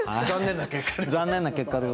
残念な結果に。